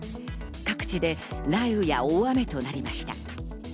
各地で雷雨や大雨となりました。